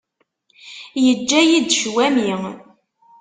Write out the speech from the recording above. Yeǧǧa-yi-d ccwami.